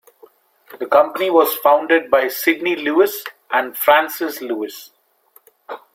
The company was founded by Sydney Lewis and Frances Lewis.